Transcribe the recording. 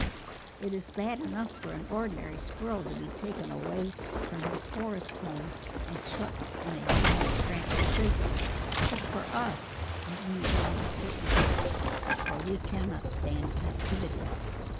"It is bad enough for an ordinary Squirrel to be taken away from his forest home and shut in a small cramped prison, but for us it means almost certain death, for we cannot stand captivity....